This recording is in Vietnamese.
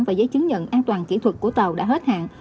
và giấy chứng nhận an toàn kỹ thuật của tàu đã hết hạn